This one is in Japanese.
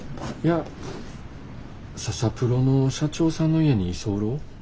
いやササプロの社長さんの家に居候。